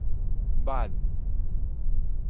挽